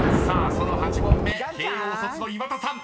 ［その８問目慶應卒の岩田さん